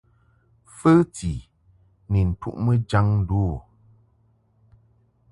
Fəti ni ntuʼmɨ kan ndu u.